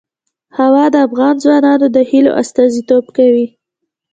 هوا د افغان ځوانانو د هیلو استازیتوب کوي.